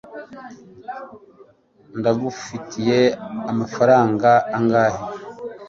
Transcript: ndagufitiye amafaranga angahe